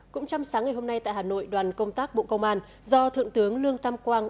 cũng trong sáng ngày hôm nay tại hà nội đoàn công tác bộ công an do thượng tướng lương tam quang